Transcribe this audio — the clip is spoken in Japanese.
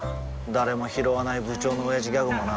誰もひろわない部長のオヤジギャグもな